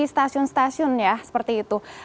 stasiun stasiun seperti itu